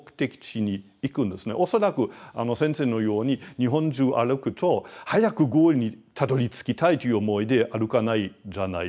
恐らく先生のように日本中歩くと早くゴールにたどりつきたいという思いで歩かないじゃないですか。